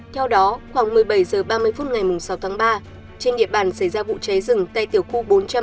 theo đó khoảng một mươi bảy h ba mươi phút ngày sáu tháng ba trên địa bàn xảy ra vụ cháy rừng tại tiểu khu bốn trăm bảy mươi